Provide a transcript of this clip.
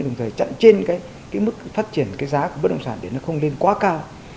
đồng thời chặn trên cái mức phát triển cái giá của bất động sản để nó không lên quá cao